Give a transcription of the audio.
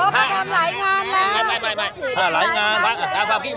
เพราะก็ทำหลายงานแล้ว